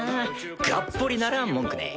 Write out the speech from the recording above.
がっぽりなら文句ねぇ。